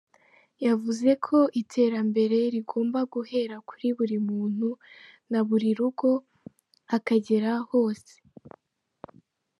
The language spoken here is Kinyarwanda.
Yavuze ko iterambere rigomba guhera kuri buri muntu na buri rugo akagera hose.